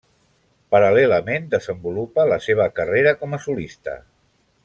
Paral·lelament desenvolupa la seva carrera com a solista.